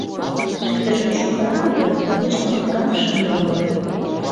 Иктыжын шукырак гын, угыч паҥгам шындыл модыт.